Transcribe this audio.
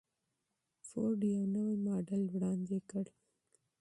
فورډ یو نوی ماډل وړاندې کړ.